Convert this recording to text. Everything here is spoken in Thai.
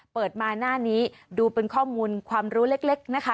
เปิดมาหน้านี้ดูเป็นข้อมูลความรู้เล็กนะคะ